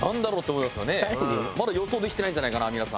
まだ予想できてないんじゃないかな皆さん。